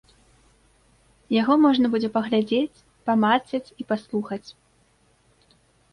Яго можна будзе паглядзець, памацаць і паслухаць.